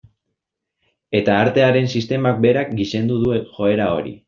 Eta artearen sistemak berak gizendu du joera hori.